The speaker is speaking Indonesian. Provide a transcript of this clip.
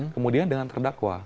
kemudian dengan terdakwa